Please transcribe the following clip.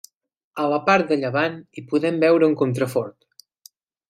A la part de llevant hi podem veure un contrafort.